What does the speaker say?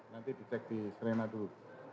nanti di cek di serena dulu